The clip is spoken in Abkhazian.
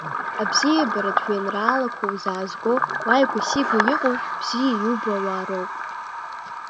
Абзиабаратә жәеинраалақәа узаазго уааигәасигәа иҟоу, бзиа иубо ауаа роуп.